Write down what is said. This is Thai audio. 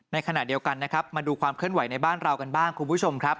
ในขณะเดียวกันนะครับมาดูความเคลื่อนไหวในบ้านเรากันบ้างคุณผู้ชมครับ